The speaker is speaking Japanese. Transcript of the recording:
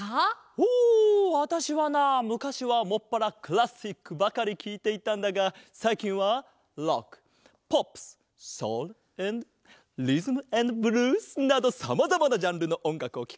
ほわたしはなむかしはもっぱらクラシックばかりきいていたんだがさいきんはロックポップスソウルアンドリズム・アンド・ブルースなどさまざまなジャンルのおんがくをきくようになったぞ。